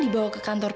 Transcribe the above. dapat ke grandad